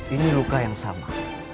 ini luka yang sama